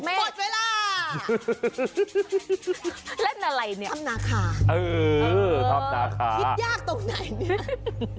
หมดเวลาเล่นอะไรเนี่ยอำนาคาเออถ้ำนาคาคิดยากตรงไหนเนี่ย